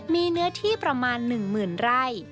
มีเนื้อที่ประมาณหนึ่งหมื่นไร่